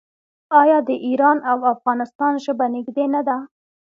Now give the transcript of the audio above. آیا د ایران او افغانستان ژبه نږدې نه ده؟